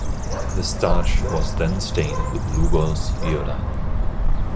The starch was then stained with Lugol's iodine.